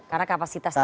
karena kapasitas stadion